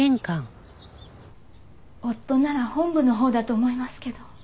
夫なら本部のほうだと思いますけど。